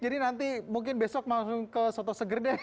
jadi nanti mungkin besok langsung ke soto segar deh